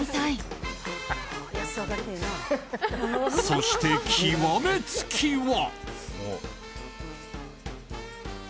そして、極め付きは。